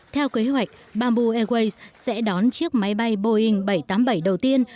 theo kế hoạch bamboo airways sẽ đón chiếc máy bay boeing bảy trăm tám mươi bảy đầu tiên